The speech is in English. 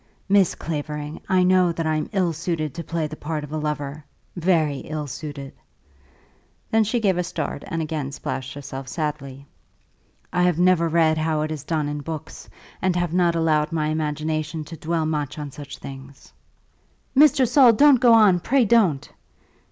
"Miss Clavering, I know that I am ill suited to play the part of a lover; very ill suited." Then she gave a start and again splashed herself sadly. "I have never read how it is done in books, and have not allowed my imagination to dwell much on such things." "Mr. Saul, don't go on; pray don't."